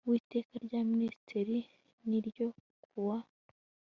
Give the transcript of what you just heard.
w Iteka rya Minisitiri n ryo ku wa